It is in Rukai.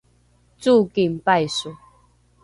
cooking paiso